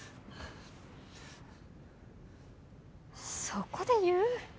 そこで言う？